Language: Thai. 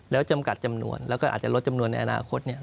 แล้วจำกัดจำนวนแล้วก็อาจจะลดจำนวนในอนาคต